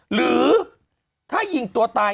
หรือถ้ายิงตัวตาย